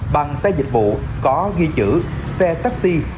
bằng xe dịch vụ có ghi chữ xe taxi